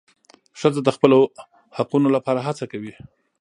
ښځه د خپلو حقونو لپاره هڅه کوي.